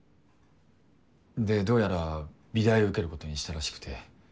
でどうやら美大受けることにしたらしくて。